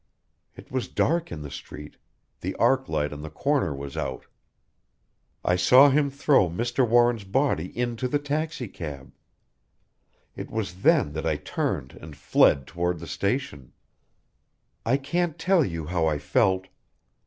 It was dark in the street the arc light on the corner was out "I saw him throw Mr. Warren's body into the taxicab. It was then that I turned and fled toward the station. "I can't tell you how I felt.